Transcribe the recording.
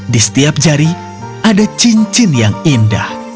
di setiap jari ada cincin yang indah